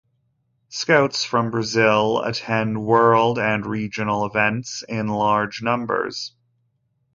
Scouts from Brazil attend world and regional events in large numbers.